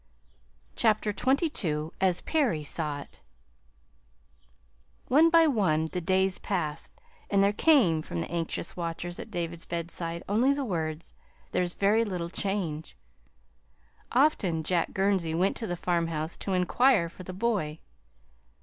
CHAPTER XXII AS PERRY SAW IT One by one the days passed, and there came from the anxious watchers at David's bedside only the words, "There's very little change." Often Jack Gurnsey went to the farmhouse to inquire for the boy.